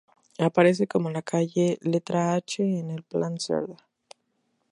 Aparece como la calle letra H en el Plan Cerdá.